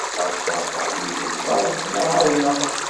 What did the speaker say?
Ad ferḥeɣ nnig lferḥ ma ɛawneɣ-d.